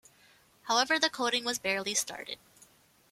However the coding was barely started.